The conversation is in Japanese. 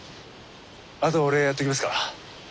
あとは俺がやっときますから。